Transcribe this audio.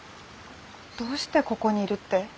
どうしてここにいるって？